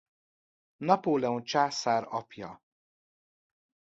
Napóleon császár apja.